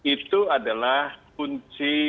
itu adalah kunci